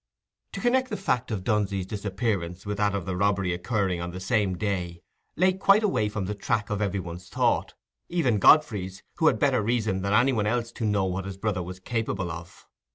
To connect the fact of Dunsey's disappearance with that of the robbery occurring on the same day, lay quite away from the track of every one's thought—even Godfrey's, who had better reason than any one else to know what his brother was capable of.